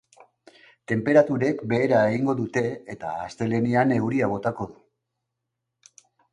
Tenperaturek behera egingo dute eta astelehenean euria botako du.